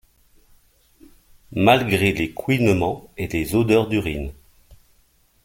Malgré les couinements et les odeurs d’urine.